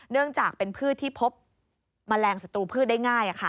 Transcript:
เนื่องจากเป็นพืชที่พบแมลงศัตรูพืชได้ง่าย